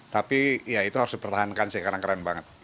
tapi ya itu harus dipertahankan sih karena keren banget